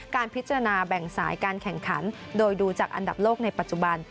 การพิจารณาแบ่งสายการแข่งขันโดยดูจากอันดับโลกในปัจจุบัน